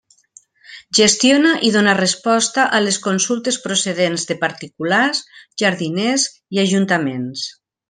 Gestiona i dóna resposta a les consultes procedents de particulars, jardiners i ajuntaments.